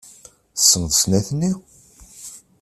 Tessneḍ snat-nni?